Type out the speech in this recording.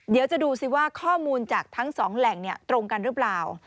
เดี๋ยวจะดูสิว่าข้อมูลจากทั้งสองแหล่งตรงกันหรือเปล่า